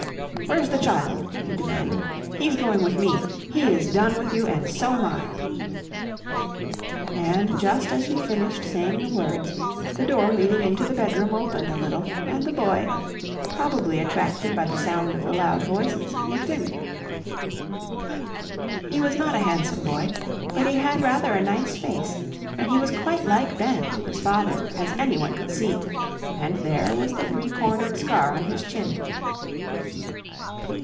"Where's the child?" he demanded. "He's going with me! He is done with you, and so am I!" And just as he finished saying the words, the door leading into the bedroom opened a little, and the boy, probably attracted by the sound of the loud voices, looked in. He was not a handsome boy, but he had rather a nice face, and he was quite like Ben, his father, as any one could see, and there was the three cornered scar on his chin.